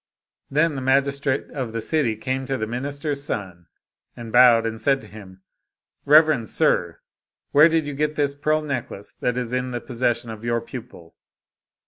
Then the magistrate of the city came to the minister's son, and bowed, and said to him^ " Rev 122 A Tale of a Demon erend sir, where did you get this pearl necklace that is in the possession of your pupil